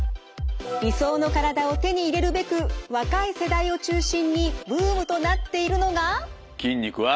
理想の体を手に入れるべく若い世代を中心にブームとなっているのが。